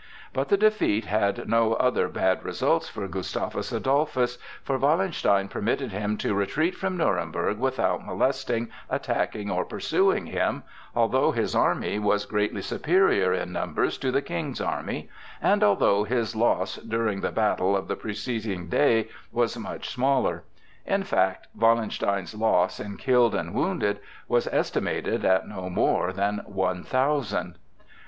But the defeat had no other bad results for Gustavus Adolphus, for Wallenstein permitted him to retreat from Nuremberg without molesting, attacking or pursuing him, although his army was greatly superior in numbers to the King's army, and although his loss during the battle of the preceding day was much smaller; in fact Wallenstein's loss in killed and wounded was estimated at no more than one thousand.